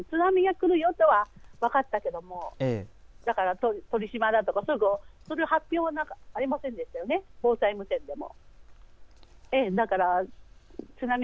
津波が来るよとは分かったけれども鳥島だとか、そういう発表はありませんでしたね、防災無線でも。